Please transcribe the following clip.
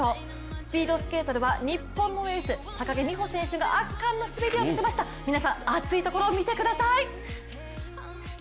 スピードスケートでは日本のエース、高木美帆選手が圧巻の滑りを見せました皆さん、熱いところを見てください！